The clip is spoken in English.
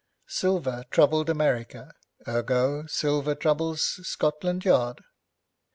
Silver troubled America, ergo silver troubles Scotland Yard.